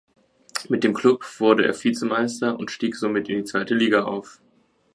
Mit dem Club wurde er Vizemeister und stieg somit in die zweite Liga auf.